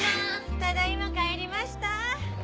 ただいま帰りました。